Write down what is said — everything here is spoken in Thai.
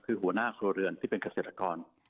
คือหัวหน้าครัวเรือนที่เป็นเกษตรกร